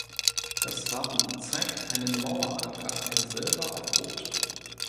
Das Wappen zeigt einen Maueranker in Silber auf Rot.